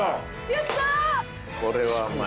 やった！